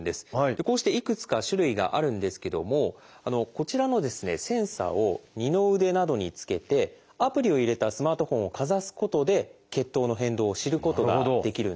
こうしていくつか種類があるんですけどもこちらのセンサーを二の腕などにつけてアプリを入れたスマートフォンをかざすことで血糖の変動を知ることができるんです。